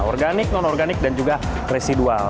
organik non organik dan juga residual